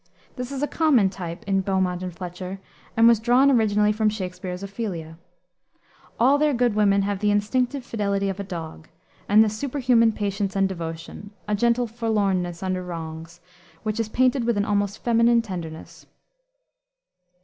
This is a common type in Beaumont and Fletcher, and was drawn originally from Shakspere's Ophelia. All their good women have the instinctive fidelity of a dog, and a superhuman patience and devotion, a "gentle forlornness" under wrongs, which is painted with an almost feminine tenderness.